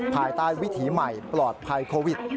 ภายใต้วิถีใหม่ปลอดภัยโควิด